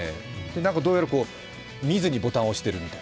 どうやら見ずにボタンを押してるそう。